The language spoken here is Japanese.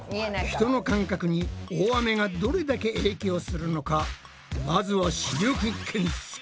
人の感覚に大雨がどれだけ影響するのかまずは視力検査だ。